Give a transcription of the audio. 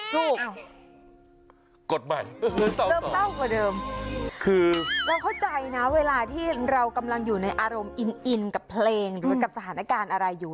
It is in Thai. กดไหมท่อเดิมคือเราเข้าใจนะเวลาที่เรากำลังอยู่ในอารมณ์อินอินกับเพลงหรือกับสถานการณ์อะไรอยู่